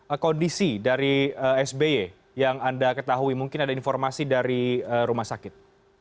apa kondisi dari sby yang anda ketahui mungkin ada informasi dari rumah sakit